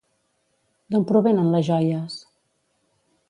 D'on provenen les joies?